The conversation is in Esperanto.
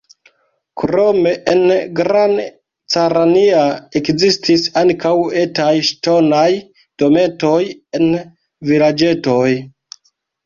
Krome en Gran Canaria ekzistis ankaŭ etaj ŝtonaj dometoj en vilaĝetoj.